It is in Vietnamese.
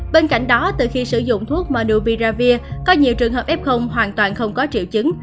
bên cạnh đó từ khi sử dụng thuốc menu viravir có nhiều trường hợp f hoàn toàn không có triệu chứng